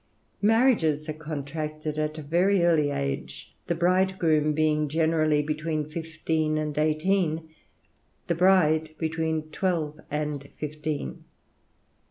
Marriages are contracted at a very early age, the bridegroom being generally between fifteen and eighteen, the bride between twelve and fifteen.